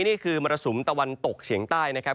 นี่คือมรสุมตะวันตกเฉียงใต้นะครับ